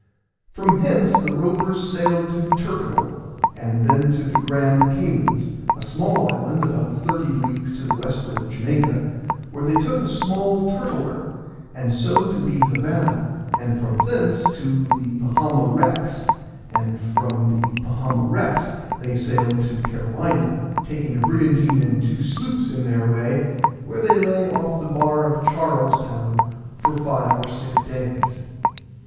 From hence the rovers sailed to Turkill, and then to the Grand Caimanes, a small island about thirty leagues to the westward of Jamaica, where they took a small turtler, and so to the Havana, and from thence to the Bahama Wrecks; and from the Bahama Wrecks they sailed to Carolina, taking a brigantine and two sloops in their way, where they lay off the bar of Charles Town for five or six days.